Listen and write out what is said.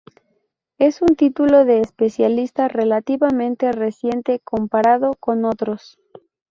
Es un título de especialista relativamente reciente comparado con otros.